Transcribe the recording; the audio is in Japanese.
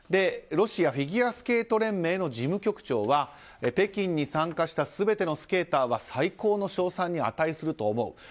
ロシアフィギュアスケート連盟の事務局長は北京に参加した全てのスケーターは最大の賞賛に値すると思う。